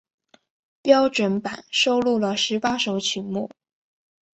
标准版收录了十八首曲目。